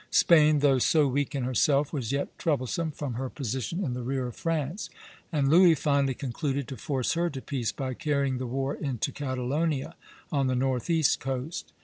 Spain, though so weak in herself, was yet troublesome from her position in the rear of France; and Louis finally concluded to force her to peace by carrying the war into Catalonia, on the northeast coast.